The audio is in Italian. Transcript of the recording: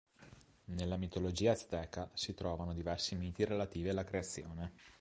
Nella mitologia azteca si trovano diversi miti relativi alla creazione.